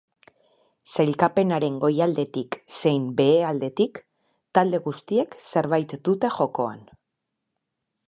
Sailkapenaren goialdetik zein behealdetik, talde guztiek zerbait dute jokoan.